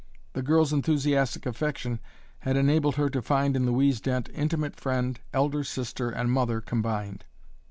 The girl's enthusiastic affection had enabled her to find in Louise Dent intimate friend, elder sister, and mother combined.